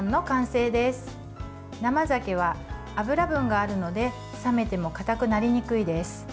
生ざけは、脂分があるので冷めても、かたくなりにくいです。